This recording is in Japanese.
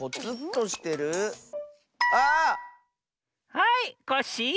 はいコッシー！